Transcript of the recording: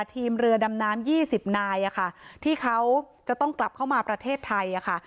ทีมเรือดำน้ำยี่สิบนายอ่ะค่ะที่เขาจะต้องกลับเข้ามาประเทศไทยอ่ะค่ะ